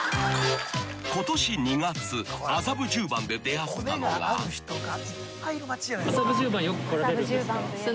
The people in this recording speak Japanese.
［今年２月麻布十番で出会ったのが］